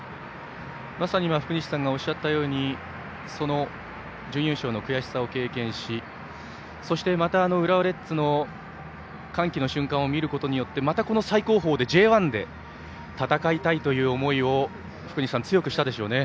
まさに福西さんがおっしゃったように準優勝の悔しさを経験して、そしてまた浦和レッズの歓喜の瞬間を見ることによってまたこの最高峰、Ｊ１で戦いたいという思いを福西さん、強くしたでしょうね。